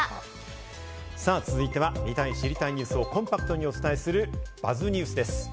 さぁ続いては、見たい知りたいニュースをコンパクトにお伝えする「ＢＵＺＺニュース」です。